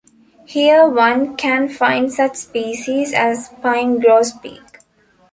Here one can find such species as pine grosbeak.